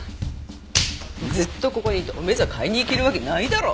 ずっとここにいておめざ買いに行けるわけないだろ！